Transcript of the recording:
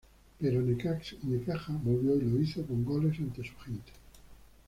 Pero Necaxa volvió y lo hizo con goles ante su gente.